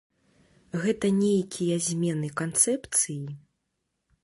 Гэта нейкія змены канцэпцыі?